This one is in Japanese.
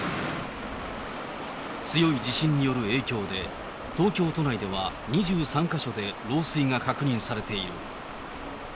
強い地震による影響で、東京都内では２３か所で漏水が確認されている。